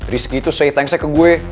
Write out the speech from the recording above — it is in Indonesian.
rizky tuh say thanks nya ke gue